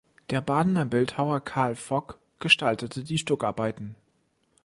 Der Badener Bildhauer Karl Vock gestaltete die Stuckarbeiten.